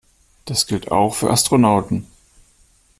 Das gilt auch für Astronauten.